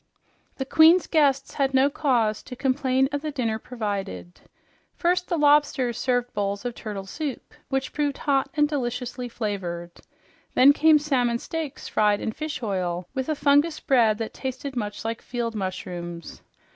The queen's guests had no cause to complain of the dinner provided. First the lobsters served bowls of turtle soup, which proved hot and deliciously flavored. Then came salmon steaks fried in fish oil, with a fungus bread that tasted much like field mushrooms.